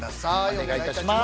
お願いいたします。